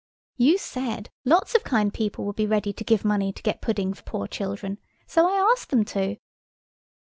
"You said lots of kind people would be ready to give money to get pudding for poor children. So I asked them to."